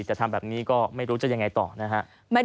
แต่ทำแบบนี้ก็ไม่รู้จะยังไงต่อนะฮะ